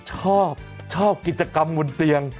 ชอบชอบกิจกรรมบนเตียง